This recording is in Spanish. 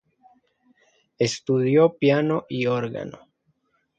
Estudió piano y órgano.